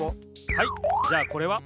はいじゃあこれは？